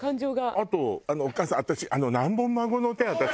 あとあのお母さん私何本孫の手を私。